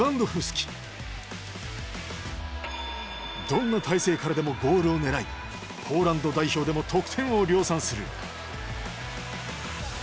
どんな体勢からでもゴールを狙いポーランド代表でも得点を量産する。